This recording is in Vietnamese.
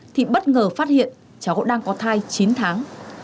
thì bất ngờ phát hiện cháu đang có thai chín tháng